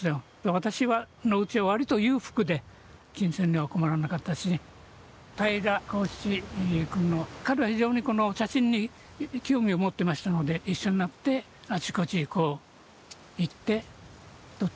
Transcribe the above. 私のうちは割と裕福で金銭には困らなかったし平良孝七君も彼は非常に写真に興味を持ってましたので一緒になってあちこちこう行って撮ったんですね。